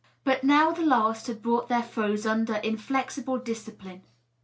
But now the last had brought their foes under iraexible discipline.